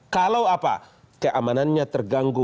kalau apa keamanannya terganggu